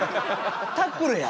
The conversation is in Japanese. タックルや。